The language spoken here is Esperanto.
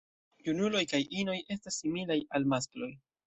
Junuloj kaj inoj estas similaj al maskloj.